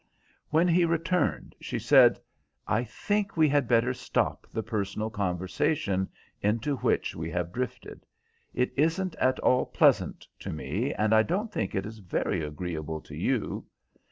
When he returned she said, "I think we had better stop the personal conversation into which we have drifted. It isn't at all pleasant to me, and I don't think it is very agreeable to you.